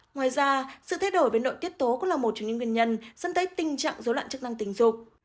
ngoài ra sự thay đổi về nội tiết tố cũng là một trong những nguyên nhân dẫn tới tình trạng dối loạn chức năng tình dục